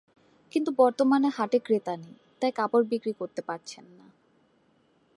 কিন্তু বর্তমানে হাটে ক্রেতা নেই, তাই কাপড় বিক্রি করতে পারছেন না।